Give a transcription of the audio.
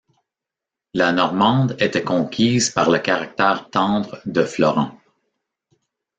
La Normande était conquise par le caractère tendre de Florent.